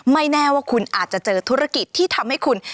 แน่ว่าคุณอาจจะเจอธุรกิจที่ทำให้คุณ